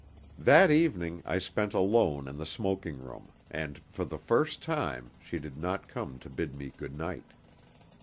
That evening I spent alone in the smoking room, and, for the first time, she did not come to bid me good night.